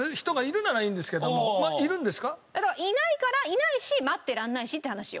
別になんかだからいないからいないし待ってられないしって話よ。